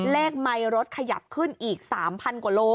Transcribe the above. ไมค์รถขยับขึ้นอีก๓๐๐กว่าโล